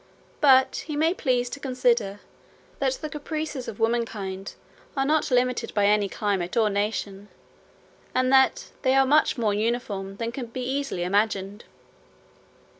But he may please to consider, that the caprices of womankind are not limited by any climate or nation, and that they are much more uniform, than can be easily imagined.